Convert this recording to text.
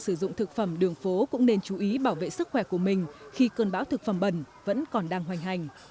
sử dụng thực phẩm đường phố cũng nên chú ý bảo vệ sức khỏe của mình khi cơn bão thực phẩm bẩn vẫn còn đang hoành hành